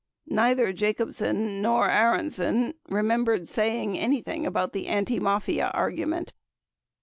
26 Neither Jacobsen nor Eisenberg remembered saying anything about the anti Mafia argument.